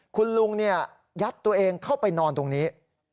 คุณลุงยัดตัวเองเข้าไปนอนตรงนี้